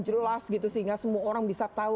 jelas gitu sehingga semua orang bisa tahu